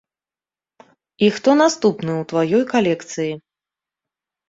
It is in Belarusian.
І хто наступны ў тваёй калекцыі?